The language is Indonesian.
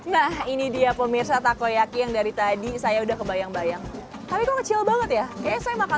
nah ini dia pemirsa takoyaki yang dari tadi saya udah kebayang bayang tapi kok kecil banget ya saya makan